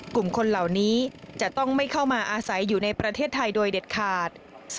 กลุ่มคนเหล่านี้จะต้องไม่เข้ามาอาศัยอยู่ในประเทศไทยโดยเด็ดขาด